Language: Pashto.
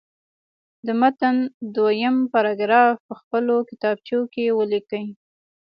د متن دویم پاراګراف په خپلو کتابچو کې ولیکئ.